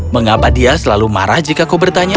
mengapa dia selalu marah jika kau bertanya